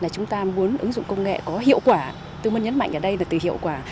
chúng ta muốn ứng dụng công nghệ có hiệu quả tôi muốn nhấn mạnh ở đây là từ hiệu quả